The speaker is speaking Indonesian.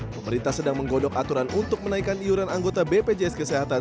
pemerintah sedang menggodok aturan untuk menaikkan iuran anggota bpjs kesehatan